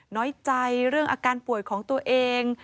น้อยใจเรื่องอาการป่วยของตัวเอง